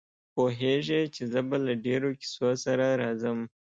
پوهېږي چې زه به له ډېرو کیسو سره راځم.